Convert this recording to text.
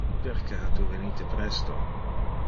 Perque ha tu venite presto?